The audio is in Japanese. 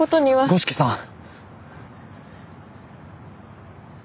五色さん！